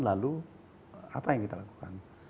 lalu apa yang kita lakukan